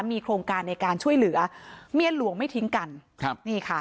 มีโครงการในการช่วยเหลือเมียหลวงไม่ทิ้งกันครับนี่ค่ะ